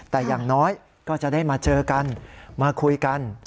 แต่อย่างน้อยก็จะได้มาเจอกันมาคุยกัน